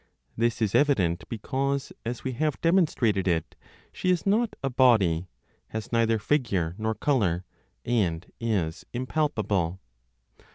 This is evident, because, as we have demonstrated it, she is not a body, has neither figure nor color, and is impalpable.